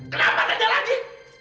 kenapa tanya lagi